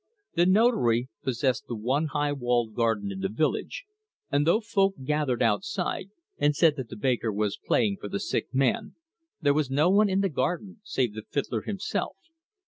The Notary possessed the one high walled garden in the village, and though folk gathered outside and said that the baker was playing for the sick man, there was no one in the garden save the fiddler himself.